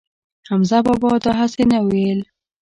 حمزه بابا دا هسې نه وييل